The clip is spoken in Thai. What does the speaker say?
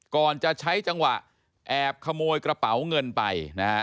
ก่อนจะใช้จังหวะแอบขโมยกระเป๋าเงินไปนะฮะ